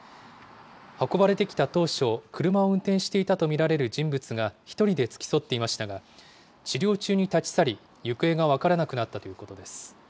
運ばれてきた当初、車を運転していたと見られる人物が１人で付き添っていましたが、治療中に立ち去り、行方が分からなくなったということです。